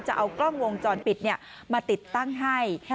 จะเอากล้องวงจรปิดมาติดตั้งให้